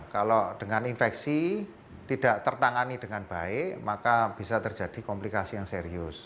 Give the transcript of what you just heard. kalau dengan infeksi tidak tertangani dengan baik maka bisa terjadi komplikasi yang serius